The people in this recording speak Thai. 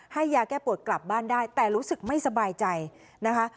ให้ยาแก้ปวดกลับบ้านได้แต่รู้สึกไม่สบายใจนะคะ